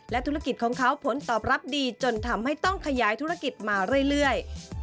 ธุรกิจของเขาผลตอบรับดีจนทำให้ต้องขยายธุรกิจมาเรื่อย